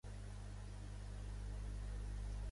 L'escarabat no és porc i fa una pilota.